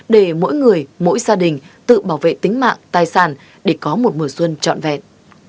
để mỗi người mỗi gia đình tự bảo vệ tính mạng tài sản để có một mùa xuân trọn vẹn